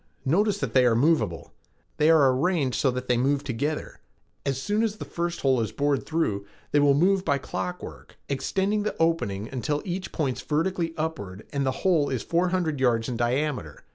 Notice that they are moveable. They are arranged so that they move together. As soon as the first hole is bored through, they will move by clockwork, extending the opening until each points vertically upward and the hole is four hundred yards in diameter.